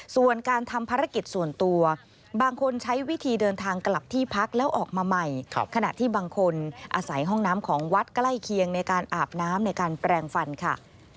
ส่วนการทำภารกิจส่วนตัวบางคนใช้วิธีเดินทางกลับที่พักแล้วออกมาใหม่ขณะที่บางคนอาศัยห้องน้ำของวัดใกล้เคียงในการอาบน้ำในการแปลงฟันค่ะ